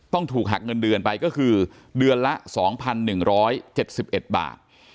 ต้องถูกหักเงินเดือนไปก็คือเดือนละสองพันหนึ่งร้อยเจ็ดสิบเอ็ดบาท